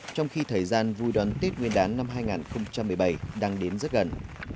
trong khi thời gian vui đón tết nguyên đán năm hai nghìn một mươi bảy đang đến rất gần